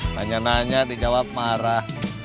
nanya nanya dijawab marah